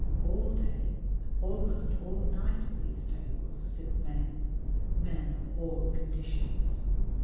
All day, almost all night at these tables sit men men of all conditions.